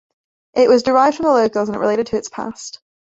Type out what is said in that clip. It was derived from the locals and is related to its past.